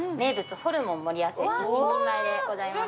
ホルモン盛り合わせ１人前でござします。